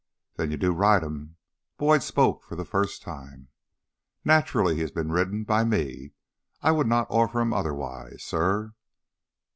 "Then you do ride him?" Boyd spoke for the first time. "Naturally he has been ridden by me. I would not offer him otherwise, suh!"